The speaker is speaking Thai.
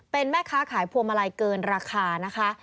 เป็นแม่ค้าขายพวงมาลัยเกินราคานะคะ